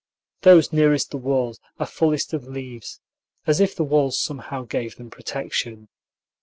Those nearest the walls are fullest of leaves, as if the walls somehow gave them protection.